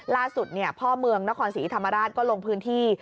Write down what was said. ล่าสุดพ่อเมืองนครศรีธรรมราชก็ลงพื้นที่